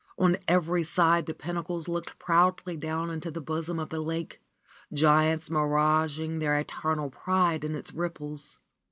On every side the pinnacles looked proudly down into the bosom of the lake, giants miraging their eternal pride in its ripples.